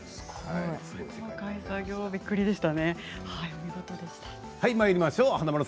細かい作業びっくりでした。